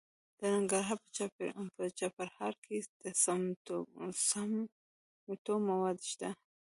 د ننګرهار په چپرهار کې د سمنټو مواد شته.